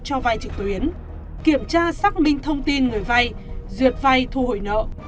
cho vay trực tuyến kiểm tra xác minh thông tin người vay duyệt vay thu hồi nợ